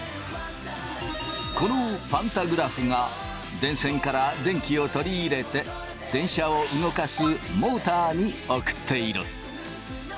このパンタグラフが電線から電気を取り入れて電車を動かすモーターに送っている。